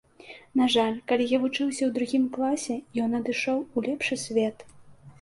На жаль, калі я вучыўся ў другім класе, ён адышоў у лепшы свет.